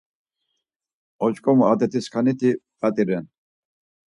Oç̌ǩomu adet̆iskaniti p̌at̆i ren.